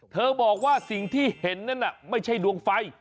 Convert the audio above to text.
บอกว่าสิ่งที่เห็นนั่นน่ะไม่ใช่ดวงไฟ